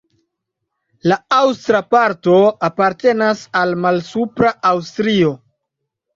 La aŭstra parto apartenas al Malsupra Aŭstrio.